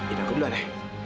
ida aku duluan ya